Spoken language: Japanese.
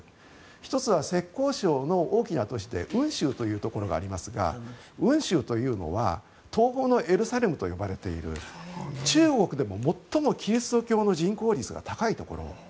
１つは浙江省の大きな都市で温州というところがありますが温州というのは東方のエルサレムと呼ばれている中国でも最もキリスト教の人口率が高いところ。